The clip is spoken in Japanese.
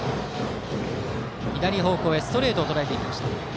左方向へストレートをとらえていきました。